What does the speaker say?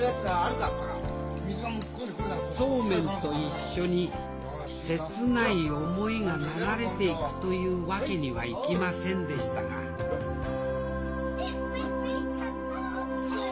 そうめんと一緒に切ない思いが流れていくというわけにはいきませんでしたがチチンプイプイ河童の屁！